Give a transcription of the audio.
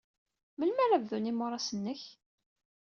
Melmi ara d-bdun yimuras-nnek?